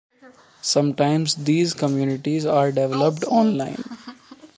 Sometimes these communities are developed online.